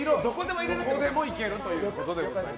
どこでもいけるということで。